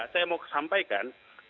saya mau sampaikan